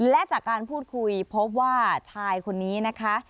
และจากการพูดคุยพบว่าชายคนนี้นะคะ